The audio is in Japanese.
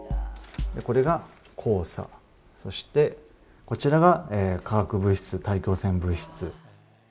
これが黄砂、そしてこちらが化学物質、大気汚染物質。